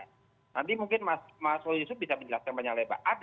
nanti mungkin mas soe yusuf bisa menjelaskan banyak lagi